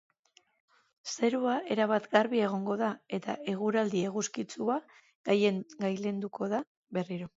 Zerua erabat garbi egongo da, eta eguraldi eguzkitsua gailenduko da berriro.